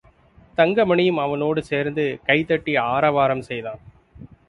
தங்கமணியும் அவனோடு சேர்ந்து கைதட்டி ஆரவாரம் செய்தான்.